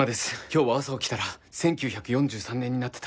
今日は朝起きたら１９４３年になってた。